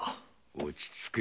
落ち着け。